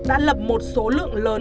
đã lập một số lượng lớn